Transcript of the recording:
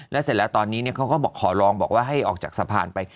แล้วเสร็จแล้วตอนนี้เขาก็บอกขอลองบอกว่าให้ออกจากสะพานไป